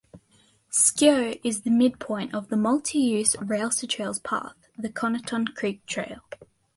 Scio is the midpoint of the multi-use rails-to-trails path, the Conotton Creek Trail.